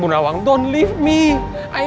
bu nawang jangan tewakan aku